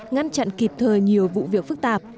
ngăn chặn kịp thời nhiều vụ việc phức tạp